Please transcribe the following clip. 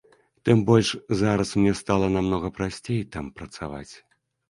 Тым больш, зараз мне стала намнога прасцей там працаваць.